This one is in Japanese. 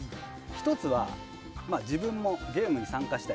１つは自分もゲームに参加したい。